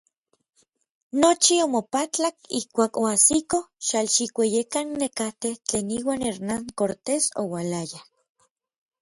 Nochi omopatlak ijkuak oajsikoj Xalxikueyekan nekatej tlen iuan Hernán Cortés oualayaj.